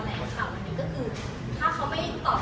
แปลว่าทุกชั่วนี้คือถ้าเขาไม่ตอบโทษ